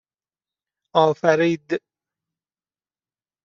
آفرید